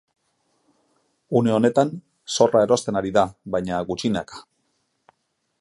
Une honetan zorra erosten ari da, baina gutxinaka.